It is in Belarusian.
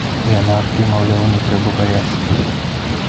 І анархіі, маўляў, не трэба баяцца!